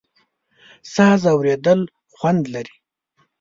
ساز اورېدل خوند لري.